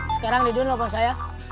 sekarang tidur loh pak sayang